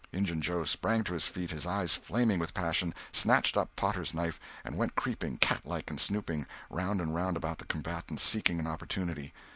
Injun Joe sprang to his feet, his eyes flaming with passion, snatched up Potter's knife, and went creeping, catlike and stooping, round and round about the combatants, seeking an opportunity.